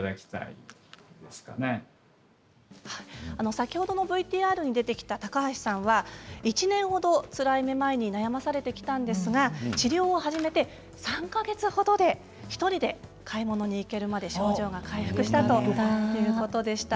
先ほどのＶＴＲに出てきた高橋さんは１年ほどつらいめまいに悩まされてきたんですが治療を始めて３か月ほどで一人で買い物に行けるまで症状が回復したということでした。